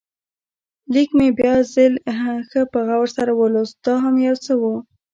لیک مې بیا ځل ښه په غور سره ولوست، دا هم یو څه و.